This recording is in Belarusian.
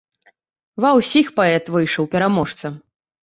Ва ўсіх паэт выйшаў пераможцам.